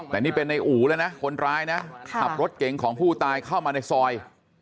แต่นี่เป็นในอู่แล้วนะคนร้ายนะขับรถเก๋งของผู้ตายเข้ามาในซอย